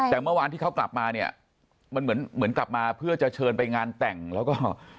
แต่เมื่อวานที่เขากลับมาเหมือนกลับมาเพื่อจะเชิญไปงานแต่งแล้วก็